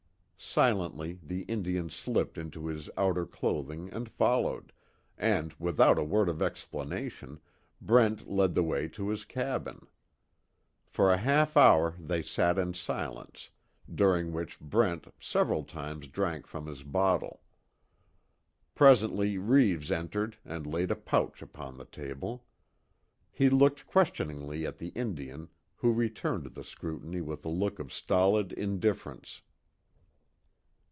Silently the Indian slipped into his outer clothing and followed, and without a word of explanation, Brent led the way to his cabin. For a half hour they sat in silence, during which Brent several times drank from his bottle. Presently Reeves entered and laid a pouch upon the table. He looked questioningly at the Indian who returned the scrutiny with a look of stolid indifference.